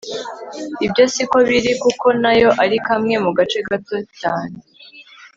ibyo siko biri kuko nayo arikamwe mu gace gato cyane